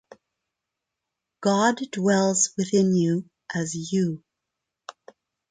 God dwells within you as you.